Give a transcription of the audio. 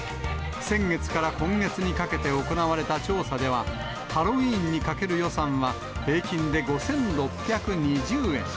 先月から今月にかけて行われた調査では、ハロウィーンにかける予算は、平均で５６２０円。